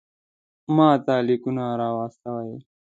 ماته لیکونه را واستوئ.